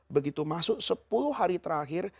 begitu masuk sepuluh hari terakhir